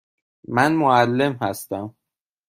من معلم هستم.